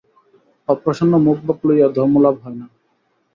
অপ্রসন্ন মুখভাব লইয়া ধর্মলাভ হয় না।